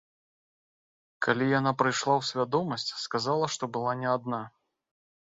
Калі яна прыйшла ў свядомасць, сказала, што была не адна.